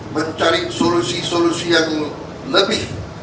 mencari solusi solusi yang lebih